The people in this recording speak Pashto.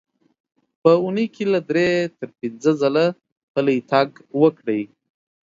په اوونۍ کې له درې تر پنځه ځله پلی تګ وکړئ.